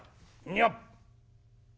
よっ。